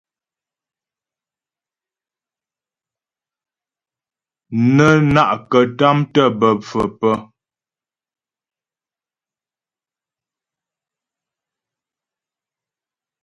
Nə́ na'kətàm tə́ bə́ pfə̌ pə́.